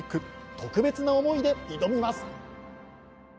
特別な思いで挑みます。